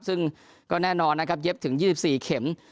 ซึ่งก็แน่นอนนะครับเย็บถึง๒๔เข็ม